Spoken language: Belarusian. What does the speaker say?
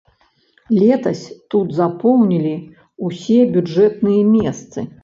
Летась тут запоўнілі ўсе бюджэтныя месцы.